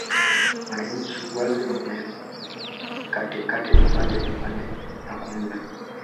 Wananchi wale wamkatekate vipande vipande na kumla